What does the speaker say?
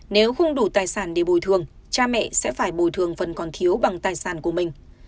nếu không đủ tài sản để bồi thường cha mẹ sẽ phải bồi thường phần còn thiếu bằng tài sản của mình